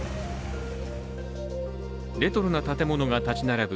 レトロな建物が建ち並ぶ